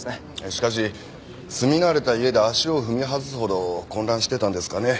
しかし住み慣れた家で足を踏み外すほど混乱してたんですかね。